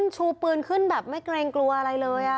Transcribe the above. ชูปืนขึ้นแบบไม่เกรงกลัวอะไรเลย